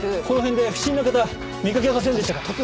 この辺で不審な方見かけませんでしたか？